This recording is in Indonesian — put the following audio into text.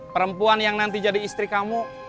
perempuan yang nanti jadi istri kamu